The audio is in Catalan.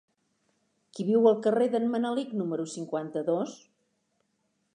Qui viu al carrer d'en Manelic número cinquanta-dos?